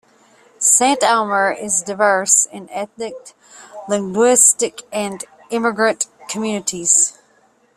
Saint-Omer is diverse in ethnic, linguistic and immigrant communities.